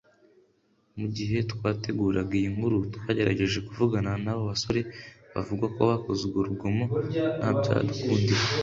Mu gihe twateguraga iyi nkuru twagerageje kuvugana n’abo basore bavugwa ko bakoze urwo rugomo ntabyadukundira